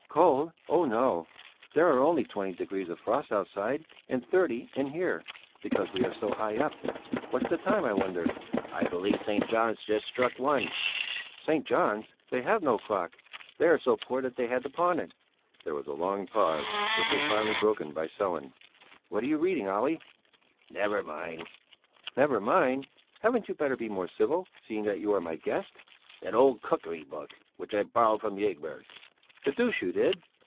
"Cold! Oh no! There are only twenty degrees of frost outside, and thirty in here because we are so high up. What's the time, I wonder?" "I believe St. John's just struck one." "St. John's? They have no clock! They are so poor that they had to pawn it." There was a long pause which was finally broken by Sellén. "What are you reading, Olle?" "Never mind!" "Never mind? Hadn't you better be more civil, seeing that you are my guest?" "An old cookery book which I borrowed from Ygberg." "The deuce you did!